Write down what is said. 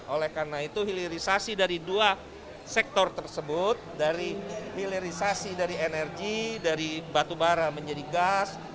oleh karena itu hilirisasi dari dua sektor tersebut dari hilirisasi dari energi dari batu bara menjadi gas